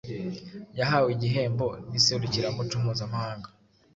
yahawe igihembo n’iserukiramuco mpuzamahanga